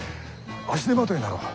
足手まといになろう。